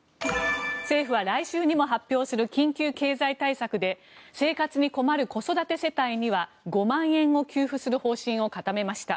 政府は来週にも発表する緊急経済対策で生活に困る子育て世帯には５万円を給付する方針を固めました。